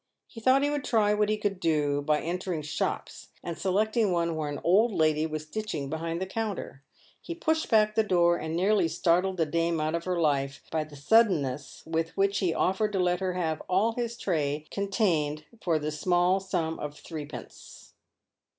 He thought he would try what he could do by entering shops, and selecting one where an old lady was stitching PAVED "WITH GOLD. '81 behind the counter, he pushed back the door and nearly startled the dame out of her life by the suddenness with which he offered to let her have all his tray contained for the small sum of threepence.